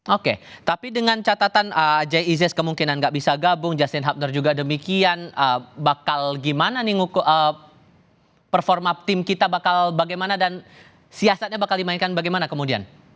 oke tapi dengan catatan jis kemungkinan gak bisa gabung justin hubner juga demikian bakal gimana nih ngukur performa tim kita bakal bagaimana dan siasatnya bakal dimainkan bagaimana kemudian